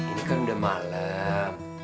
ini kan udah malam